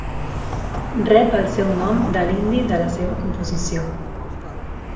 Rep el seu nom de l'indi de la seva composició.